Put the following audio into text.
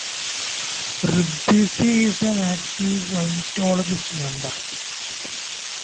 Ribisi is an active Scientologist member.